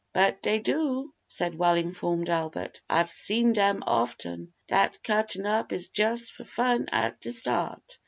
"But dey do," said well informed Albert; "I've seen dem often. Dat cuttin' up is jus' for fun at de start.